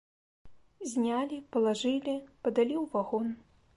Знялі, палажылі, падалі ў вагон.